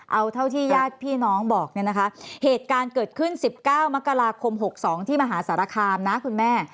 เอาเท่าที่ญาติพี่น้องบอกเนี่ยนะคะเหตุการณ์เกิดขึ้น๑๙มกราคม๖๒ที่มหาสารคามนะคุณแม่